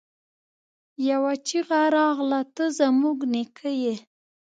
يوه چيغه راغله! ته زموږ نيکه يې!